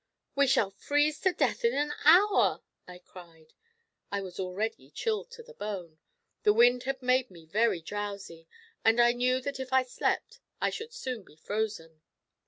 "We shall freeze to death in an hour!" I cried. I was already chilled to the bone. The wind had made me very drowsy, and I knew that if I slept I should soon be frozen.